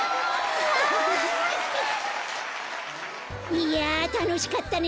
いやたのしかったね。